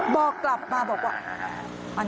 บอกกลับมาบอกว่า